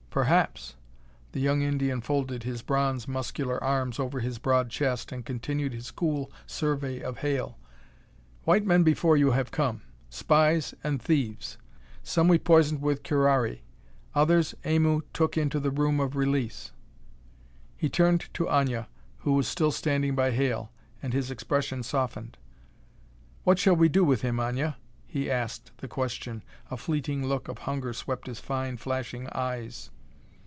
"Perhaps!" The young Indian folded his bronze, muscular arms over his broad chest and continued his cool survey of Hale. "White men before you have come: spies and thieves. Some we poisoned with curari. Others Aimu took into the Room of Release." He turned to Aña, who was still standing by Hale, and his expression softened. "What shall we do with him, Aña?" he asked the question, a fleeting look of hunger swept his fine, flashing eyes.